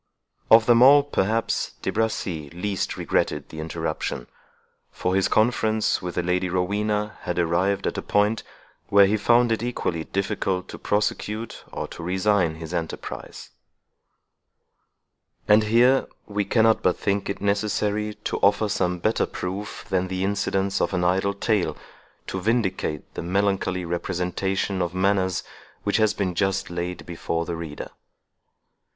Of them all, perhaps, De Bracy least regretted the interruption; for his conference with the Lady Rowena had arrived at a point, where he found it equally difficult to prosecute or to resign his enterprise. And here we cannot but think it necessary to offer some better proof than the incidents of an idle tale, to vindicate the melancholy representation of manners which has been just laid before the reader.